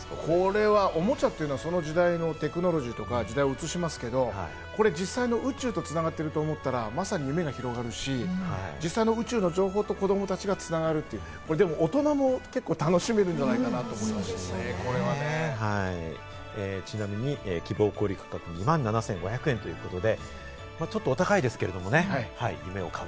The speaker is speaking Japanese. おもちゃっていうのはその時代のテクノロジーとか時代を映しますけど、これ、実際の宇宙と繋がってると思ったら、まさに夢が広がるし、実際の宇宙の情報と子供たちがつながる、大人も結構楽しめるんじちなみに希望小売価格２万７５００円ということで、ちょっとお高いですけれどもね。